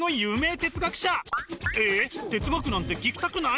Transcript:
哲学なんて聞きたくない？